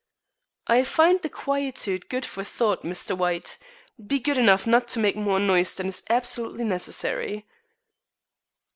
"I find the quietude good for thought, Mr. White. Be good enough not to make more noise than is absolutely necessary."